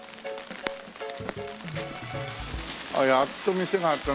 やっと店があった。